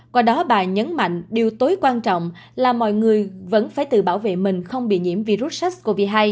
qua đó bà nhấn mạnh điều tối quan trọng là mọi người vẫn phải tự bảo vệ mình không bị nhiễm virus sars cov hai